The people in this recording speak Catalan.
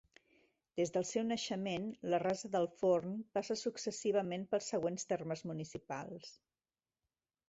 Des del seu naixement, la Rasa del Forn passa successivament pels següents termes municipals.